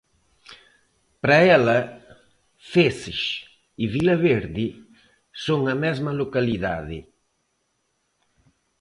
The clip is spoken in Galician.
Para ela, Feces e Vila Verde son a mesma localidade.